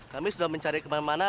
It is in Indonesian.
kami sudah mencari kemana mana